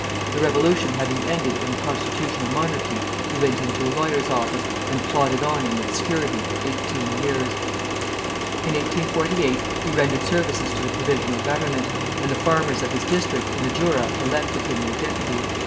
The Revolution having ended in a constitutional monarchy, he went into a lawyer's office, and plodded on in obscurity for eighteen years. In 1848 he rendered services to the Provisional Government, and the farmers of his district in the Jura elected him their deputy.